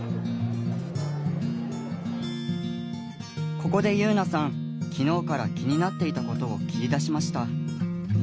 ここで結菜さん昨日から気になっていたことを切り出しました。